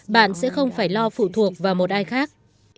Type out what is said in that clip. bạn sẽ không phải lo phụ thuộc vào một ai khác